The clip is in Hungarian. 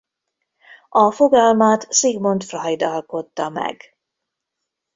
A fogalmat Sigmund Freud alkotta meg.